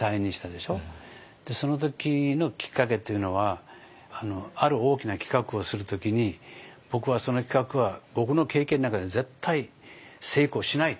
その時のきっかけっていうのはある大きな企画をする時に僕はその企画は僕の経験の中で絶対成功しないっていう信念があったんですよ。